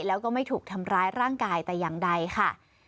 แล้วก็ไม่ถูกทำร้ายร่างกายแต่อย่างใดค่ะ